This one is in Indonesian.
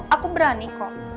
aku berani kok